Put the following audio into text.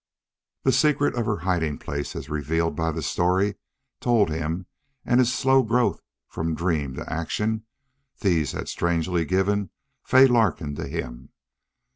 The secret of her hiding place as revealed by the story told him and his slow growth from dream to action these had strangely given Fay Larkin to him.